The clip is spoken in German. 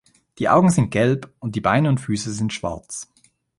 Die Augen sind gelb und die Beine und Füße sind schwarz.